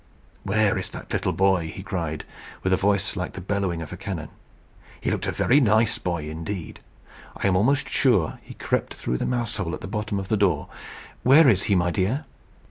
"Where is that little boy?" he cried, with a voice like the bellowing of a cannon. "He looked a very nice boy indeed. I am almost sure he crept through the mousehole at the bottom of the door. Where is he, my dear?"